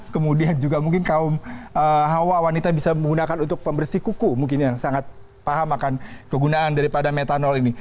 kemudian juga mungkin kaum hawa wanita bisa menggunakan untuk pembersih kuku mungkin yang sangat paham akan kegunaan daripada metanol ini